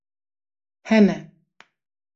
Hene